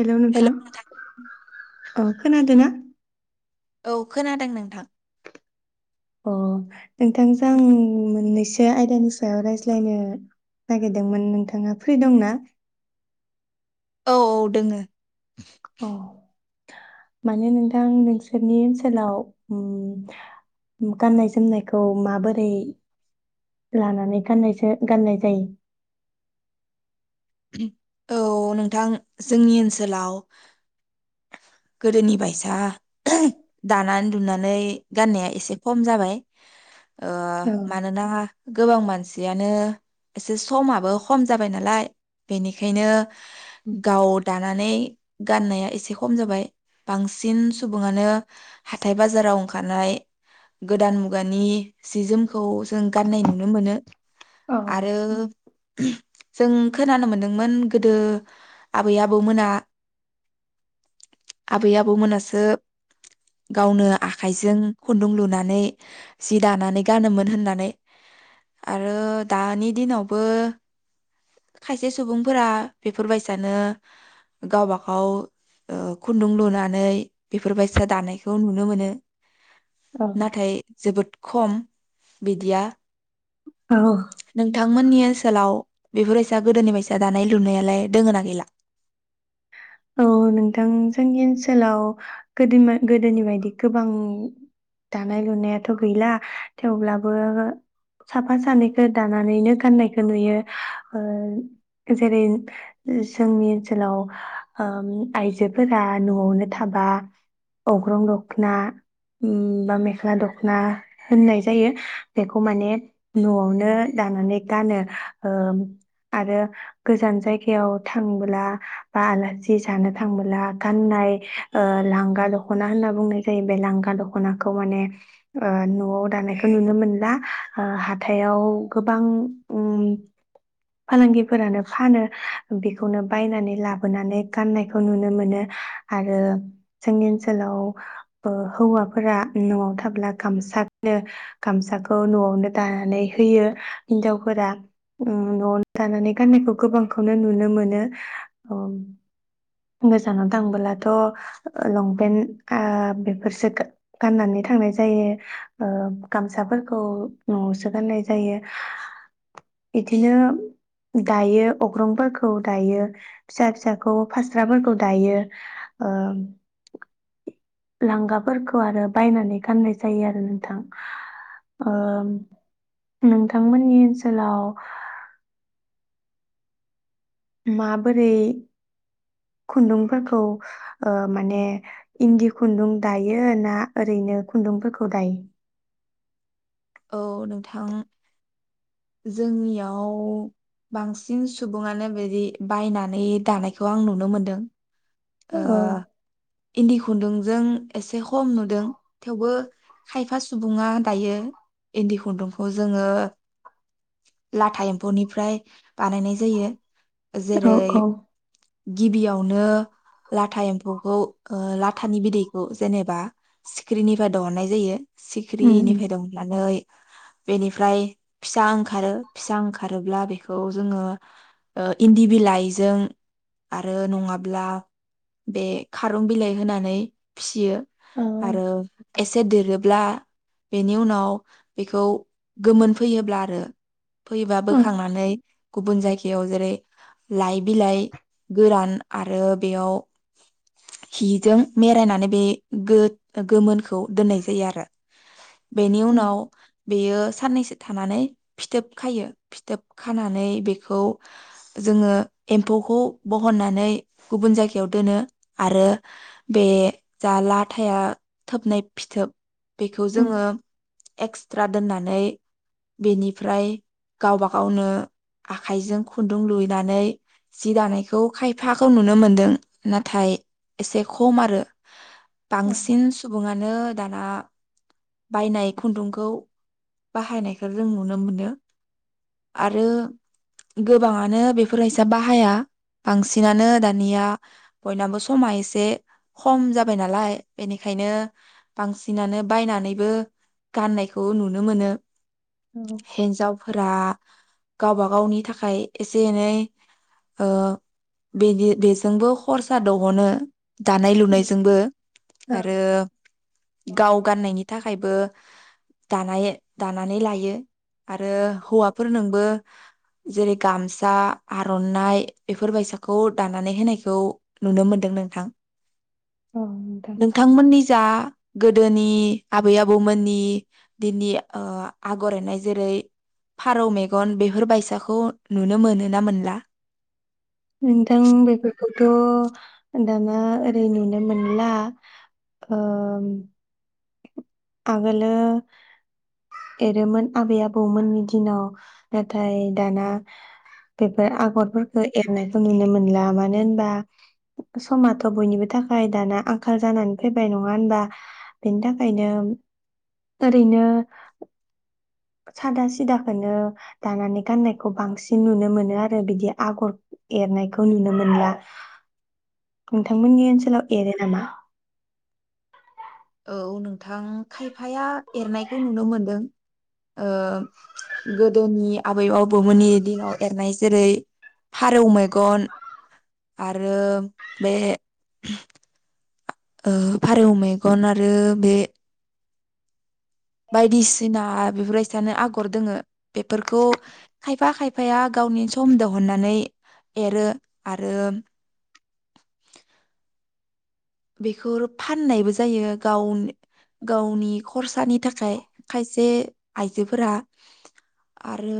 हेल' नोंथां अ खोनादों ना? औ खोनादों नोंथां अ नोंथांजों मोननैसो आयदानि सायाव रायज्लायनो नागिरदोंमोन नोंथाङा फ्रि दंना? औ औ दोङो अ माने नोंथां नोंसोरनि ओनसोलाव ओम गाननाय जोमनायखौ माबोरै लानानै गाननायजा गाननाय जायो? औ नोंथां जोंनि ओनसोलाव गोदोनि बायसा दानानै लुनानै गाननाया एसे खम जाबाय ओ मानोना गोबां मानसियानो एसे समाबो खम जाबाय नालाय बेनिखायनो गाव दानानै गाननाया एसे खम जाबाय बांसिन सुबुंफ गोदान मुगानि सि जोमखौ जों गाननाय नुनो मोनो औ आरो जों खोनानो मोनदोंमोन गोदो आबै आबौमोना आबै आबौ मोनासो गावनो आखाइजों खुन्दुं लुनानै जि दानानै गानोमोन होननानै आरो दानि दिनावबो खायसे सुबुंफोरा बेफोरबायसानो गावबा गाव ओ खुन्दुं लुनानै बेफोरबायसा दानायखौ नुनो मोनो। औ नाथाय जोबोद खम बिदिया औ नोंथांमोननि ओनसोलाव बेफोरबायसा गोदोनि बायसा दानाय लुनायालाय दोङो ना गैला? औ नोंथां जोंनि ओनसोलाव गोदोयमो गोदोनि बायदि गोबां दानाय लुनायाथ गैला थेवब्लाबो साफा सानैखौ दानानैनो गाननायखौ नुयो ओ जेरै जोंनि ओनसोलाव ओम आइजोफोरा न'आवनो थाबा अग्रं दखना उम बा मेख्ला दखना होननाय जायो। बेखौ माने न'आवनो दानानै गानो ओम आरो गोजान जायगायाव थांबोला बा आलासि जि जानो थांबोला गाननाय ओ लांगा दखना होनना बुंनाय जायो। बे लांगा दखनाखौ माने ओ न'आव दानायखौ नुनो मोनला ओ हाथायाव गोबां उम फालांगिफोरानो फानो बेखौनो बायनानै लाबोनानै गाननायखौ नुनो मोनो आरो जोंनि ओनसोलाव ओ हौवाफोरा न'आव थाब्ला गामसा गानो गामसाखौ न'आवनो दानानै होयो हिन्जावफोरा उम न'आवनो दानानै गाननायखौ गोबांखौनो नुनो मोनो। अम गोजानाव थांबोलाथ लंपेन्ट आ बेफोरसो खो गाननानै थांनाय जायो ओ गामसाफोरखौ न'आवसो गाननाय जायो इदिनो दायो अग्रंफोरखौ दायो फिसा फिसा खौ फास्राफोरखौ दायो ओ लांगाफोरखौ आरो बायनानै गाननाय जायो आरो नोंथां ओम नोंथांमोननि ओनसोलाव माबोरै खुन्दुंफोरखौ ओ माने इन्दि खुन्दुं दायो ना ओरैनो खुन्दुंफोरखौ दायो। औ नोंथां जोंनियाव बांसिन सुबुङानो बेदि बायनानै दानायखौ आं नुनो मोनदों ओ औ इन्दि खुन्दुं जों एसे खम नुदों थेवबो खायफा सुबुङा दायो इन्दि खु खुन्दुंखौ जोङो लाथा एम्फौनिफ्राय [inaudible] बानायनाय जायो औ जेरै औ गिबियावनो लाथा एम्फौखौ ओ लाथानि बिदैखौ जेनेबा सिख्रिनिफ्राय दहननाय जायो उम सिख्रिनिफ्राय दहननानै बेनिफ्राय फिसा ओंखारो फिसा ओंखारोब्ला बेखौ जोङो ओ इन्दि बिलाइजों आरो नङाब्ला बे खारं बिलाइ होनानै फियो औ आरो एसे देरोब्ला बेनि उनाव बेखौ गोमोनफैयोब्ला आरो फैयोबा बोखांनानै गुबुन जायगायाव जेरै लाइ बिलाइ गोरान आरो बेयाव हिजों मेरायनानै बे गो गोमोनखौ दोननाय जायो आरो बेनि उनाव बेयो साननैसो थानानै फिथोब खायो फिथोब खानानै बेखौ जोङो एम्फौखौ बहननानै गुबुन जायगायाव दोनो आरो बे जा लाथाया थोबनाय फिथोब बेखौ जोङो एक्सट्रा दोननानै बेनिफ्राय गावबा गावनो आखाइजों खुन्दुं लुनानै जि दानायखौ खायफा खौ नुनो मोन्दों नाथाय एसे खम आरो बांसिन औ सुबुङा नो दाना बायनाय खुन्दुंखौ बाहायनायखो जों नुनो मोनो आरो गोबाङानो बेफोर बायसा बाहाया बांसि बांसिनानो दानिया बयनाबो समा एसे खम जाबाय नालाय बेनिखायनो बांसिनानो बायनानैबो गाननायखौ नुनो मोनो हिन्जावफोरा गावबा गावनि थाखाय एसे एनै ओ बेदि बेजोंबो खरसा दहनो दानाय लुनायजोंबो आरो गाव गाननायनि थाखायबो दानाय दानानै लायो आरो हौवाफोर नोंबो जेरै गामसा आर'नाइ बेफोरबायसा खौ दानानै होनायखौ नुनो मोनदों नोंथां औ नोंथां नोंथांमोननि जा गोदोनि आबै आबौमोननि दिनै आगर एरनाय जेरै फारौ मेगन बेफोरबायसाखौ नुनो मोनो ना मोनला नोंथां बेफोरखौथ' दाना ओरै नुनो मोनला आगोलो एरोमोन आबै आबौमोननि दिनाव नाथाय दाना बेफोर आगरफोरखौ एरनायखौ नुनो मोनला मानो होनबा समाथ' बयनिबो थाखाय दाना आंखाल जानानै फैबाय नङा होनबा बेनि थाखायनो ओरैनो सादा सिदाखोनो दानानै गाननायखौ बांसिन नुनो मोनो आरो बिदि आगर एरनायखौ नुनो मोनलिया नोंथांमोननि ओनसोलाव एरो नामा औ नोंथां खायफाया एरनायखौ नुनो मोनदों गोदोनि आबै आबौमोननि दिनाव एरनाय जेरै फारौ मेगन आरो बे फारौ मेगन आरो बे बायदिसिना बेफोरबायदिआनो आगर दोङो बेफोरखौ खायफा खायफाया गावनि सम दिहुननानै एरो आरो बेखौ फाननायबो जायो गाव गावनि खरसानि नि थाखाय खायसे आइजोफोरा आरो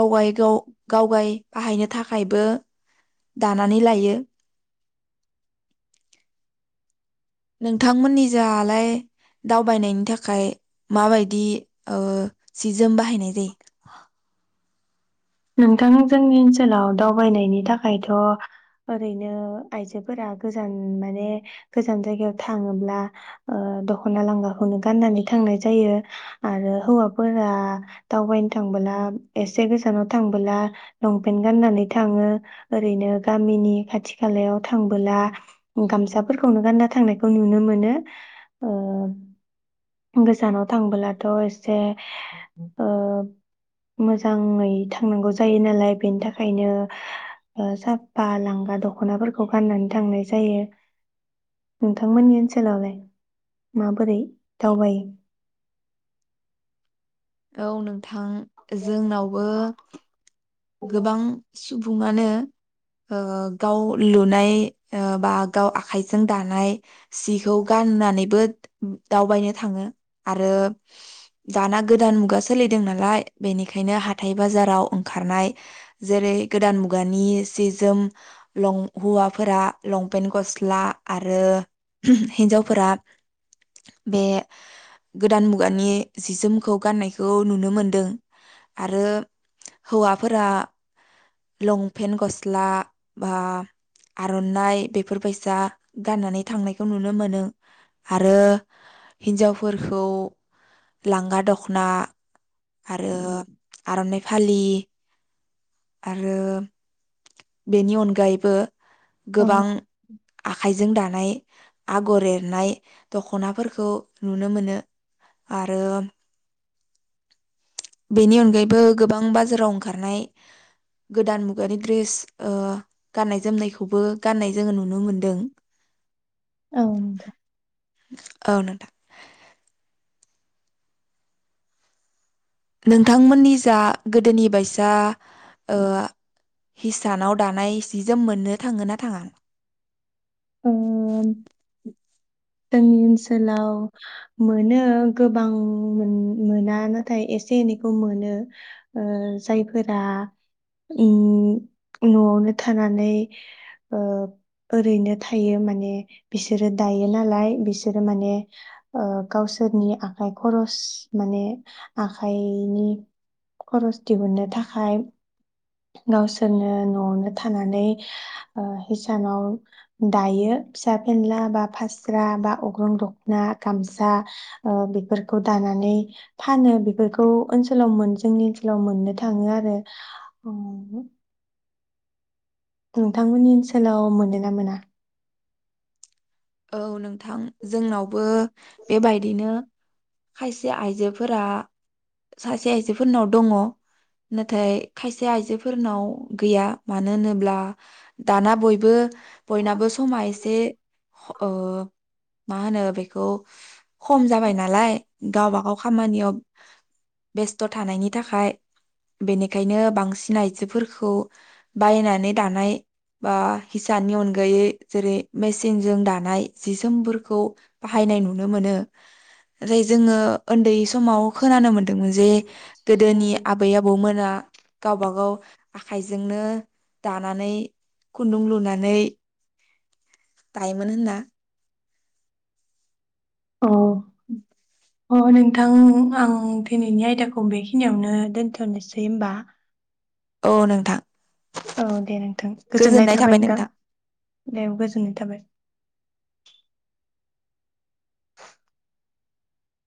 गावाय गाव गावगाय बाहायनो थाखायबो दानानै लायो नोंथांमोननि जालाय दावबायनायनि थाखाय माबायदि सि जोम बाहायनाय जायो नोंथां जोंनि ओनसोलाव दावबायनायनि थाखायथ' ओरैनो आइजोफोरा गोजान माने गोजान जायगायाव थाङोब्ला दख'ना लांगाखौनो गाननानै थांनाय जायो आरो हौवाफोरा दावबायनो थांबोला एसे गोजानाव थांबोला लंपेन्ट गानानै थाङो ओैनो गामनि खाथि खालायाव थांबोला गामसा फोरखौनो गानना थांनायखौ नुनो मोनो गोजानाव थांबोलाथ' एसे मोजाङै नांगौ जायो नालाय बेनि थाखायनो साफा लांगा दख'नाफोरखौ गाननानै थांनाय जायो नोंथांमोननि ओनसोलावलाय माबोरै दावबायो औ नोंथां। जोंनावबो गोबां बुङानो ओं गाव लुनाय ओं बा गाव आखाइजों दानाय सिखौ गाननानैबो दावबायनो थाङो आरो दाना गोदान मुगा सोलिदों नालाय बेनिखायनो हाथाइ बाजाराव ओंखारनाय जेरै गोदान मुगानि सि जोम लं हौवाफोरा लंपेन्ट गस्ला आरो हिन्जावफोरा बे गोदान मुगानि जि जोम खौ गाननायखौ नुनो मोनदों आरो हौवाफोरा लंपेन्ट गस्ला बा आर'नाइ बेफोरबायैसा गाननानै थांनायखौ नुनो मोनो आरो हिन्जावफोरखौ लांगा दख'ना आरो आर'नाइ फालि आरो बेनि अनगायैबो औ गोबां आखाइजों दानाय आगर एरनाय दख'नाफोरखौ नुनो मोनो आरो बेनि अनगायैबो गोबां बाजाराव ओंखारनाय गोदान मुगानि द्रिस ओं गाननाय जोमनायखौबो गाननाय जोङो नुनो मोनदों। औ औ नोंथां नोंथांमोननि जा गोदोनि बायसा ओं हिसानाव दानाय सि जोम मोननो थाङो ना थाङा? ओं जोंनि ओनसोलाव मोनो गोबां मोन-मोना नाथाय एसे एनैखौ मोनो ओं जायफोरा ओं न'आवनो थानानै ओं ओरैनो थायो माने बिसोरो दायो नालाय बिसोरो माने ओं गावसोरनि आखाइ खरस माने आखाइनि खरस दिहुननो थाखाय गावसोरनो न'आवनो थानानै ओं हिसानाव दायो फिसा फेनला बा फास्रा बा अग्रं दख'ना गामसा ओं बेफोरखौ दानानै फानो बेफोरखौ ओनसोलाव मोनो जोंनि ओनसोलाव मोननो थाङो आरो। औ मोनो। नोंथांमोननि ओनसोलाव मोनोना मोना? औ नोंथां जोंनावबो बेबायदिनो खायसे आइजोफोरा सासे आइजोफोरनाव दङ' नाथाय खायसे आइजोफोरनाव गैया मानो होनोब्ला दाना बयबो बयनाबो समा एसे ओं मा होनो बेखौ खम जाबाय नालाय गावबाागाव खामानियाव बेस्थ' थानायनि थाखाय बेनिखायनो बांसिन आइजोफोरखौ बायनानै दानाय बा हिसाननि अनगायै जेरै मेसिन मेसिनजों दानाय जि जोमफोरखौ बाहायनाय नुनो मोनो ओरै जोङो उन्दै सम समाव खोनानो मोनदोंमोन जे गोदोनि आबै आबौमोना गावबा गाव आखाइजोंनो दानानै खुन्दुं लुनानै दायोमोन होनना औ [inaudible] अ नोंथां आं दिनैनि आयदाखौ बेखिनियावनो दोन्थ'नोसै होमबा। औ नोंथां। औ दे नोंथां गोजोननाय थाबाय नोंथां दे औ गोजोननाय थाबाय।